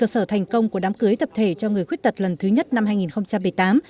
sở thành công của đám cưới tập thể cho người khuyết tật lần thứ nhất năm hai nghìn một mươi tám